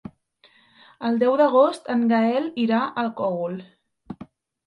El deu d'agost en Gaël irà al Cogul.